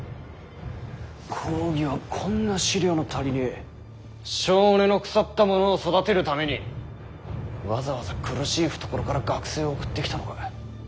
公儀はこんな思慮の足りねぇ性根の腐った者を育てるためにわざわざ苦しい懐から学生を送ってきたのか？